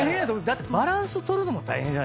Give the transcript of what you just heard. だってバランス取るのも大変じゃないですか。